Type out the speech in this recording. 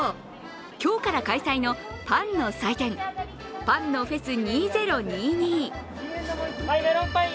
今日から開催のパンの祭典パンのフェス２０２２。